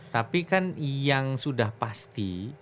tapi kan yang sudah pasti